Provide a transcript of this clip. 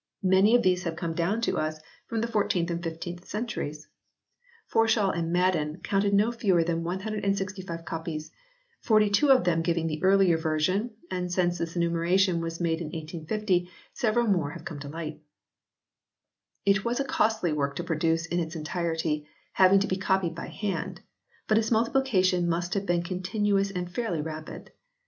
Many of these have come down to us from the 14th and 15th centuries. Forshall and Madden counted no fewer than 165 copies, 42 of them giving the earlier version ; and since this enumeration was made in 1850 several more have come to light. It was a costly work to produce in its entirety, having to be copied by hand ; but its multiplication must have been continuous and fairly rapid.